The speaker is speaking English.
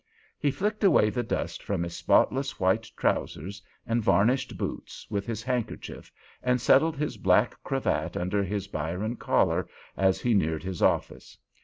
He flicked away the dust from his spotless white trousers and varnished boots with his handkerchief, and settled his black cravat under his Byron collar as he neared his office.